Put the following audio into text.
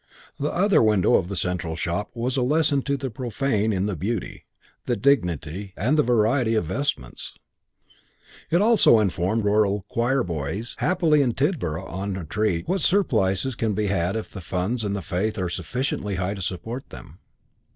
The other window of the central shop was a lesson to the profane in the beauty, the dignity and the variety of vestments. It also informed rural choirboys, haply in Tidborough on a treat, what surplices can be like if the funds and the faith are sufficiently high to support them.